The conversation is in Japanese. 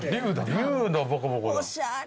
龍のボコボコだ。